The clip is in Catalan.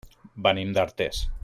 Venim d'Artés.